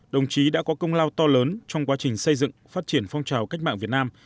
đồng chí đã có công lao to lớn trong quá trình xây dựng phát triển phong trào cách mạng việt nam